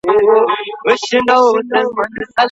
په لاس خط لیکل د فکرونو ترمنځ تار غځوي.